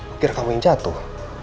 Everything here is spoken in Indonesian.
akhirnya kamu yang jatuh